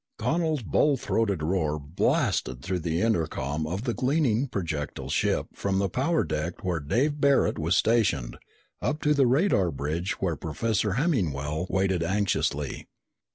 _" Connel's bull throated roar blasted through the intercom of the gleaming projectile ship from the power deck where Dave Barret was stationed, up to the radar bridge where Professor Hemmingwell waited anxiously.